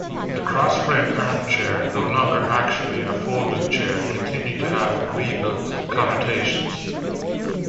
The cross-framed armchair, no longer actually a folding chair, continued to have regal connotations.